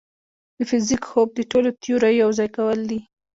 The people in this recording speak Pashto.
د فزیک خوب د ټولو تیوريو یوځای کول دي.